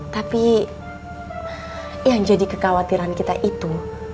tapi yang jadi kekhawatiran kita itu